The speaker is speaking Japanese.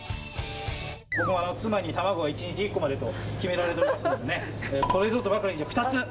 僕は妻に卵は１日１個までと決められておりますのでね、これぞとばかりに、じゃあ、２つ。